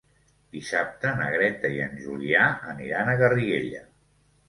Dissabte na Greta i en Julià aniran a Garriguella.